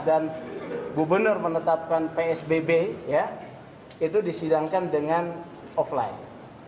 dan gubernur menetapkan psbb itu disidangkan dengan offline